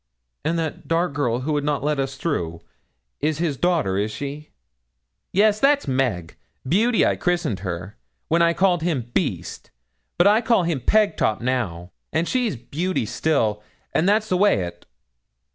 'And that dark girl who would not let us through, is his daughter, is she?' 'Yes, that's Meg Beauty, I christened her, when I called him Beast; but I call him Pegtop now, and she's Beauty still, and that's the way o't.'